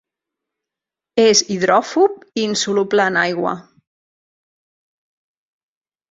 És hidròfob i insoluble en aigua.